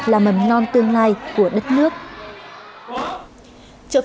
là mầm non tương lai của đất nước